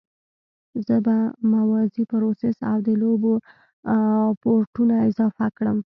زه به موازي پروسس او د لوبو پورټونه اضافه کړم